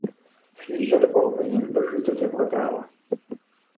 Фи жьэр вгъэувыӏи мыбы хуиту девгъэдаӏуэ.